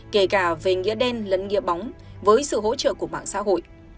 kể cả về nghĩa đen lẫn nghĩa bóng với sự hỗ trợ của mạng xã hội